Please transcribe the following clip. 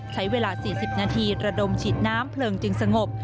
ใช้เวลา๔๐นาทีระดมฉีดน้ำเพลิงจึงสงบ